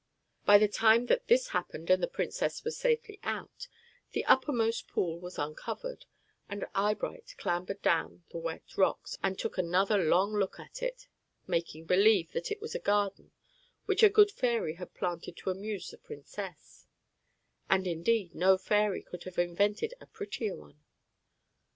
By the time that this happened and the princess was safely out, the uppermost pool was uncovered, and Eyebright clambered down the wet rocks and took another long look at it, "making believe" that it was a garden which a good fairy had planted to amuse the princess; and, indeed, no fairy could have invented a prettier one.